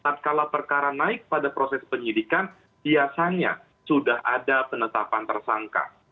naik pada proses penyelidikan biasanya sudah ada penetapan tersangka